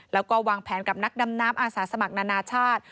แล้วก็วางแผนกับนักดำน้ำอาสาสมัครนานาชาติ